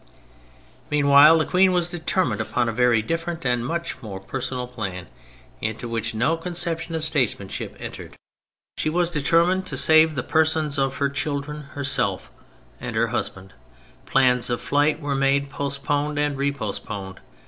Meanwhile the Queen was determined upon a very different and much more personal plan, into which no conception of statesman ship entered. She was determined to save THE PHASES 107 the persons of her children, herself and her husband. Plans of flight were made, post poned and re postponed.